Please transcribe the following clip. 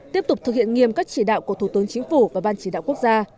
tiếp tục thực hiện nghiêm các chỉ đạo của thủ tướng chính phủ và ban chỉ đạo quốc gia